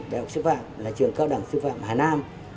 đại học sư phạm là trường cao đẳng sư phạm hà nam